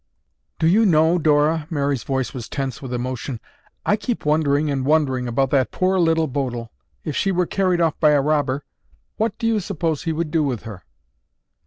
"Do you know, Dora," Mary's voice was tense with emotion, "I keep wondering and wondering about that poor Little Bodil. If she were carried off by a robber, what do you suppose he would do with her?"